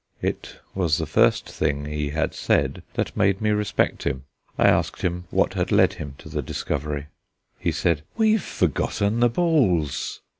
It was the first thing he had said that made me respect him. I asked him what had led him to the discovery. He said: "We've forgotten the balls!"